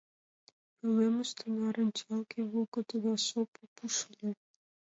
Пӧлемыште нарынчалге волгыдо да шопо пуш ыле.